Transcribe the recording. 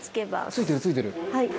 ついてるついてる。